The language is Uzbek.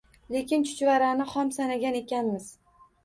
Lekin chuchvarani xom sanagan ekanmiz